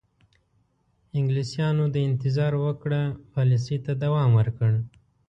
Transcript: انګلیسیانو د انتظار وکړه پالیسۍ ته دوام ورکړ.